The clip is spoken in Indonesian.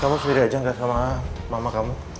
kamu sendiri aja nggak sama mama kamu